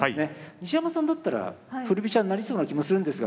西山さんだったら振り飛車になりそうな気もするんですが